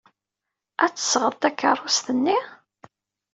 Ad d-tesɣeḍ takeṛṛust-nni?